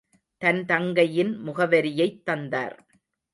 தன் தங்கையின் முகவரியைத் தந்தார்.